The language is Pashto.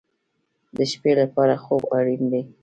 د شپې لپاره خوب اړین دی